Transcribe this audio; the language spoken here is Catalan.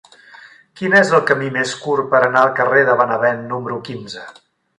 Quin és el camí més curt per anar al carrer de Benevent número quinze?